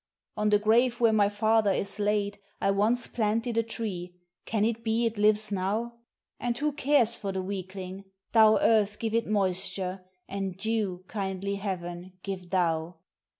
"On the grave where my father is laid I once planted a tree; can it be it lives now? And who cares for the weakling? Thou earth give it moisture, and dew, kindly heaven, give thou.